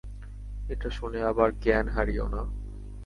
এটা শুনে আবার জ্ঞান হারিয়ো না।